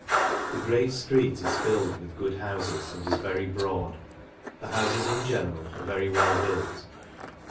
The great flreet is filled with good houfes, and \s very broad. The houfes in general are very well built.